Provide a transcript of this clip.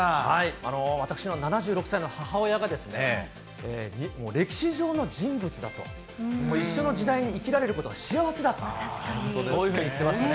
私の７６歳の母親が、歴史上の人物だと、一緒の時代に生きられることが幸せだと、そういうふうに言ってましたね。